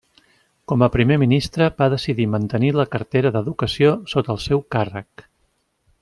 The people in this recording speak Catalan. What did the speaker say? Com a primer ministre va decidir mantenir la cartera d'educació sota el seu càrrec.